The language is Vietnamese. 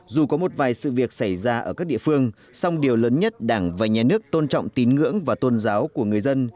dù có một vài sự việc xảy ra ở các địa phương song điều lớn nhất đảng và nhà nước tôn trọng tín ngưỡng và tôn giáo của người dân